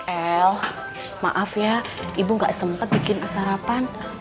el maaf ya ibu gak sempat bikin sarapan